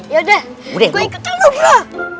yaudah gua ikutin lu bro